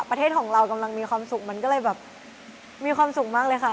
ประเทศของเรากำลังมีความสุขมันก็เลยแบบมีความสุขมากเลยค่ะ